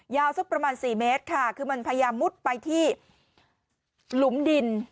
สักประมาณ๔เมตรค่ะคือมันพยายามมุดไปที่หลุมดิน